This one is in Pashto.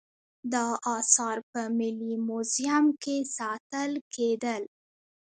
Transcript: دا اثار په ملي موزیم کې ساتل کیدل